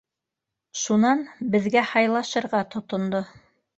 Шунан беҙгә һайлашырға тотондо: